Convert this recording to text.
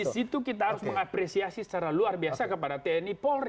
di situ kita harus mengapresiasi secara luar biasa kepada tni polri